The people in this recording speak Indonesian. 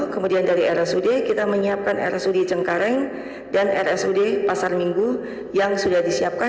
kemudian dari rsud kita menyiapkan rsud cengkareng dan rsud pasar minggu yang sudah disiapkan